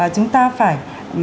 chúng ta phải